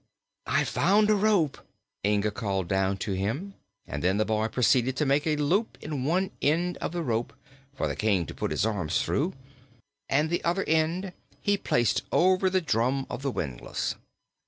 "I've found a rope!" Inga called down to him; and then the boy proceeded to make a loop in one end of the rope, for the King to put his arms through, and the other end he placed over the drum of the windlass.